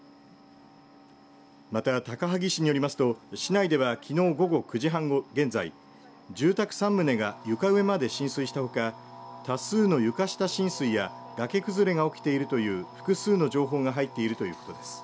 また高萩市によりますと市内ではきのう午後９時半現在住宅３棟が床上まで浸水したほか多数の床下浸水や崖崩れが起きているという複数の情報が入っているということです。